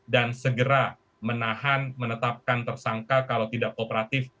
dan segera menahan menetapkan tersangka kalau tidak kooperatif